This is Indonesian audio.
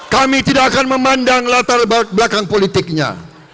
kami tidak akan memandang latar belakang politiknya